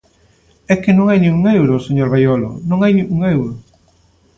É que non hai nin un euro, señor Baiolo, non hai un euro.